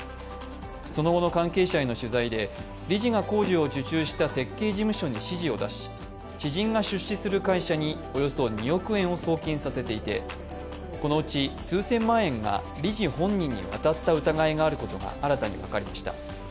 その後の関係者への取材で、理事が工事を受注した設計事務所に指示を出し知人が出資する会社におよそ２億円を送金させていてこのうち数千万円が理事本人にわたった疑いがあることが新たに分かりました。